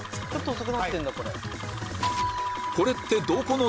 遅くなってるんだ。